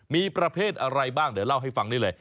มีประเภทอะไรบ้างเดี๋ยวเล่าให้ฟังนี่เลย